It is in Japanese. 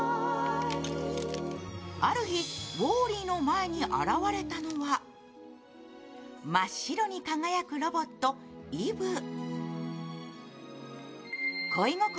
ある日、ウォーリーの前に現れたのは真っ白に輝くロボット、イヴ。